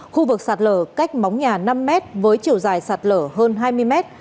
khu vực sạt lở cách móng nhà năm mét với chiều dài sạt lở hơn hai mươi mét